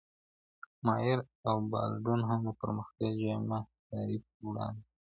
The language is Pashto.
مائر او بالډون هم د پرمختیا جامع تعریف وړاندې کړ.